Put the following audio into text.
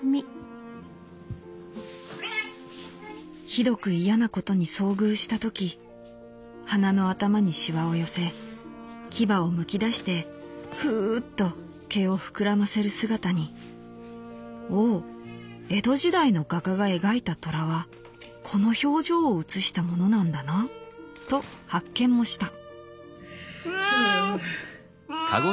「ひどく嫌なことに遭遇した時鼻の頭に皺を寄せ牙を剥き出してフウッと毛を膨らませる姿に『おお江戸時代の画家が描いた虎はこの表情を写したものなんだな』と発見もした」。